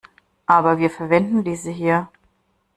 Aber wir verwenden diese hier.